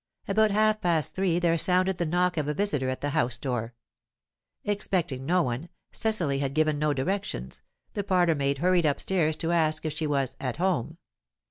About half past three there sounded the knock of a visitor at the house door. Expecting no one, Cecily had given no directions; the parlour maid hurried upstairs to ask if she was "at home."